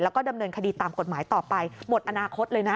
แล้วก็ดำเนินคดีตามกฎหมายต่อไปหมดอนาคตเลยนะ